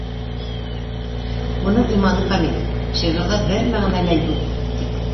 —Уның иманы камил, шиғырҙа бер мәғәнә лә юҡ, —тик